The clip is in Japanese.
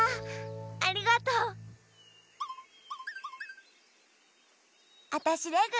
ありがとう！あたしレグ。